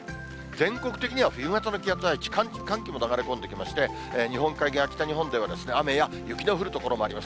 全国的には冬型の気圧配置、寒気も流れ込んできまして、日本海側、北日本では雨や雪の降る所もあります。